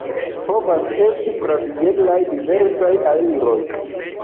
Povas esti pravigeblaj diversaj aliroj.